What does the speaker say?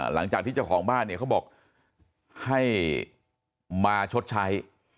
หลังจากที่เจ้าของบ้านเนี่ยเขาบอกให้มาชดใช้